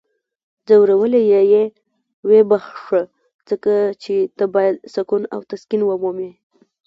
ځورولی یی یې؟ ویې بخښه. ځکه چی ته باید سکون او تسکین ومومې!